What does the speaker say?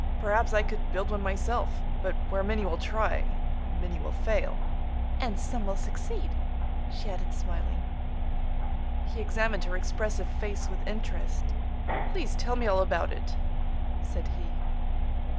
Perhaps I could build one myself. But where many will try, many will fail." "And some will succeed," she added, smiling. He examined her expressive face with interest. "Please tell me all about it," said he.